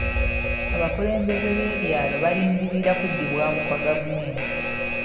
Abakulembeze b'ebyalo balindirira kuddibwamu kwa gavumenti.